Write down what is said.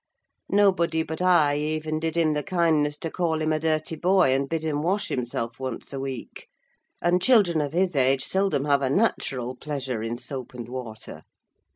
Nobody but I even did him the kindness to call him a dirty boy, and bid him wash himself, once a week; and children of his age seldom have a natural pleasure in soap and water.